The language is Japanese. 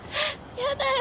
やだよ